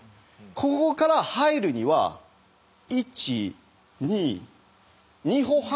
ここから入るには１２。